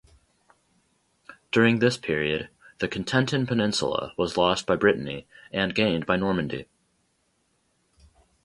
During this period the Cotentin Peninsula was lost by Brittany and gained by Normandy.